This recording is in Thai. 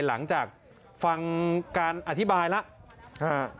หลังจากฟังการอธิบายแล้ว